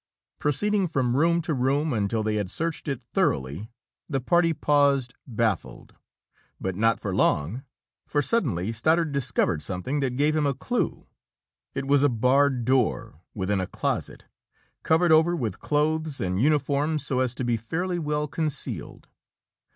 Proceeding from room to room until they had searched it thoroughly, the party paused baffled. But not for long, for suddenly Stoddard discovered something that gave him a clue. It was a barred door, within a closet, covered over with clothes and uniforms so as to be fairly well concealed.